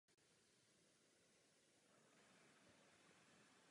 Věnoval se i zahradní architektuře.